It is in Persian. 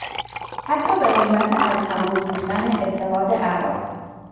حتی به قیمت از هم گسیختن اتحاد اعراب